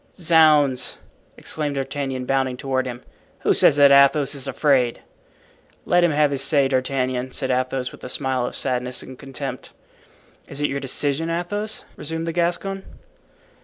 "Zounds!" exclaimed D'Artagnan, bounding toward him, "who says that Athos is afraid?" "Let him have his say, D'Artagnan," said Athos, with a smile of sadness and contempt. "Is it your decision, Athos?" resumed the Gascon.